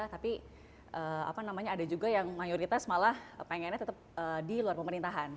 tapi apa namanya ada juga yang mayoritas malah pengennya tetap di luar pemerintahan